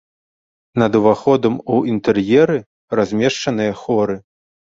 Над уваходам у інтэр'еры размешчаныя хоры.